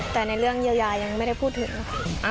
แต่ในเรื่องเยียวยายังไม่ได้พูดถึงค่ะ